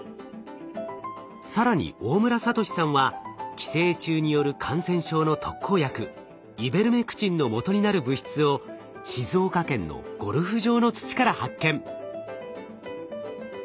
更に大村智さんは寄生虫による感染症の特効薬イベルメクチンのもとになる物質を静岡県のゴルフ場の土から発見。